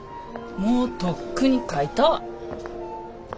もうとっくに書いたわ。